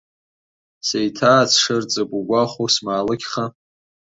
Сеиҭаацшырҵып угәахәуоу смаалықьха?